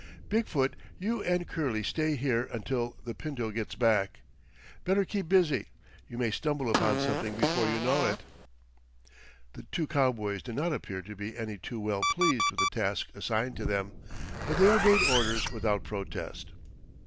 Big foot, you and Curley stay here until the Pinto gets back. Better keep busy. You may stumble upon something before you know it." The two cowboys did not appear to be any too well pleased with the task assigned to them, but they obeyed orders without protest.